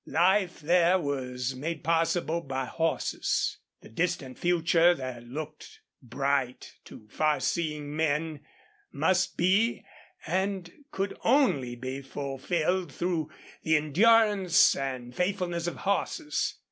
Life there was made possible by horses. The distant future, that looked bright to far seeing men, must be and could only be fulfilled through the endurance and faithfulness of horses.